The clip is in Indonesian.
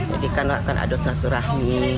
jadi kan akan adu satu rahmi